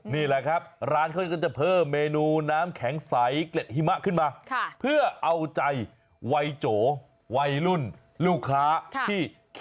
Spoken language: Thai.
นี่แหละครับร้านเขาก็จะเพิ่มเมนูน้ำแข็งใส๑๙๓๓